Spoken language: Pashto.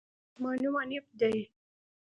زما نوم حنيف ده